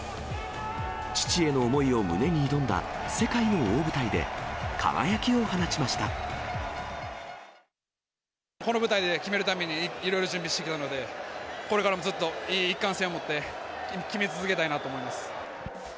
父への思いを胸に挑んだ世界の大この舞台で決めるために、いろいろ準備してきたので、これからもずっと一貫性を持って、決め続けたいなと思います。